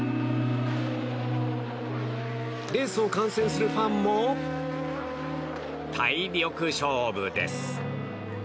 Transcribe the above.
レースを観戦するファンも体力勝負です。